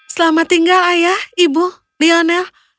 selamat tinggal ayah ibu lionel